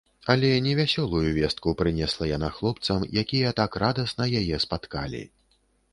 Але не вясёлую вестку прынесла яна хлопцам, якія так радасна яе спаткалі.